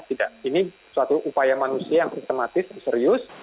tidak ini suatu upaya manusia yang sistematis serius